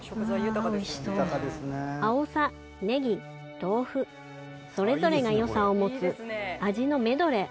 朝井：あおさ葱豆腐それぞれがよさを持つ味のメドレー。